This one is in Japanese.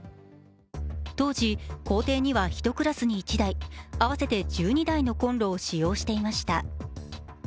当時、校庭には１クラスに１台、合わせて１２台のコンロを使用していました。